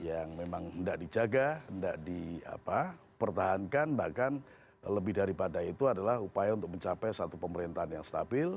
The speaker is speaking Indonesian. yang memang tidak dijaga tidak dipertahankan bahkan lebih daripada itu adalah upaya untuk mencapai satu pemerintahan yang stabil